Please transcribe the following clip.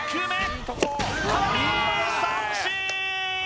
空振りー三振ー！